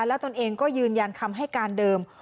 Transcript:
แล้วตนเองก็ยืนยันคำให้การเดิม